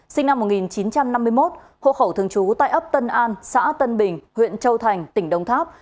sinh năm một nghìn chín trăm năm mươi một hộ khẩu thường trú tại ấp tân an xã tân bình huyện châu thành tỉnh đông tháp